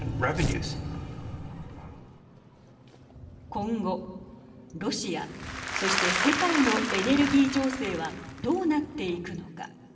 今後、ロシアそして世界のエネルギー情勢はどうなっていくのか。